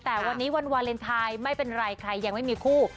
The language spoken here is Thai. แต่วันนี้วันวาเลนไทยไม่เป็นไรใครยังไม่มีคู่